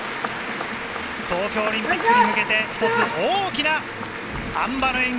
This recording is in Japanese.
東京オリンピックに向けて一つ大きなあん馬の演技。